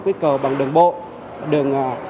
kích cầu bằng đường bộ đường